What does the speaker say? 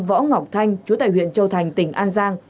võ ngọc thanh chú tại huyện châu thành tỉnh an giang